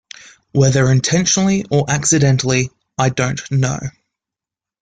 Whether intentionally or accidentally, I don't know.